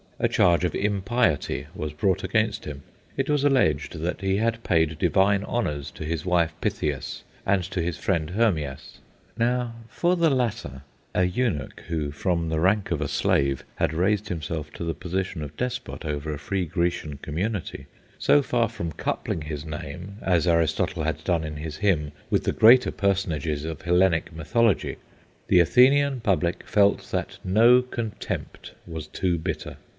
A charge of impiety was brought against him. It was alleged that he had paid divine honours to his wife Pythias and to his friend Hermias. Now, for the latter, a eunuch, who from the rank of a slave had raised himself to the position of despot over a free Grecian community, so far from coupling his name (as Aristotle had done in his hymn) with the greatest personages of Hellenic mythology, the Athenian public felt that no contempt was too bitter.